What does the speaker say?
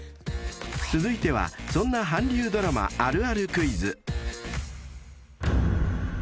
［続いてはそんな韓流ドラマあるあるクイズ］